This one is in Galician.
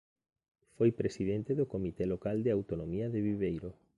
Foi presidente do Comité local de Autonomía de Viveiro.